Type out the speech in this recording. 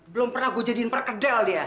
belum pernah gue jadiin perkedel dia